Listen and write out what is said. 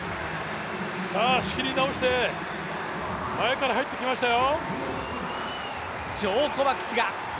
さあ、仕切り直して、前から入ってきましたよ。